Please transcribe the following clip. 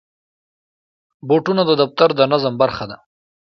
بوټونه د دفتر د نظم برخه ده.